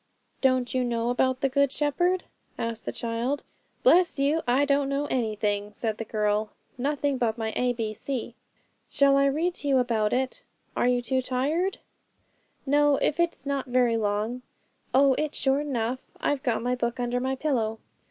'Don't you know about the Good Shepherd?' asked the child. 'Bless you! I don't know anything,' said the girl; 'nothing but my A B C.' 'Shall I read to you about it; are you too tired?' 'No, not if it's not very long.' 'Oh, it's short enough; I've got my book under my pillow.'